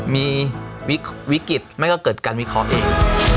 มีวิกฤตไม่ก็เกิดการวิเคราะห์เอง